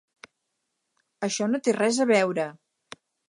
Això no té res a veure!